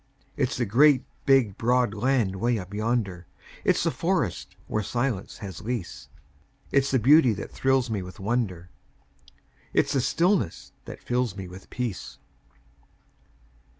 It's the great, big, broad land 'way up yonder, It's the forests where silence has lease; It's the beauty that thrills me with wonder, It's the stillness that fills me with peace.